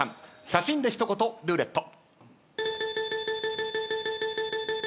写真で一言ルーレット。